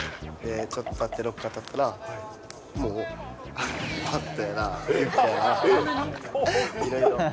ちょっとたって、ロッカーたったら、もうバットやらミットやら、いろいろ。